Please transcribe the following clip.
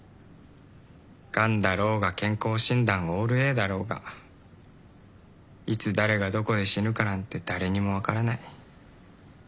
がんだろうが健康診断オールＡだろうがいつ誰がどこで死ぬかなんて誰にも分からない。